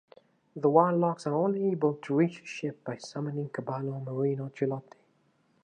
The warlocks are only able to reach the ship by summoning "caballo marino chilote".